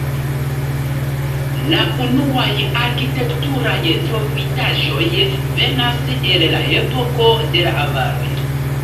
La unuaj arkitekturaj trovitaĵoj venas el la epoko de la avaroj.